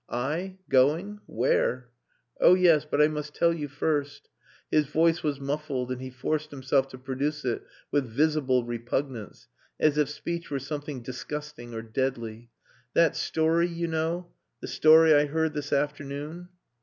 "I! Going? Where? Oh yes, but I must tell you first...." His voice was muffled and he forced himself to produce it with visible repugnance, as if speech were something disgusting or deadly. "That story, you know the story I heard this afternoon...."